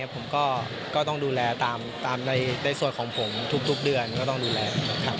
ผมก็ต้องดูแลตามในส่วนของผมทุกเดือนก็ต้องดูแลครับ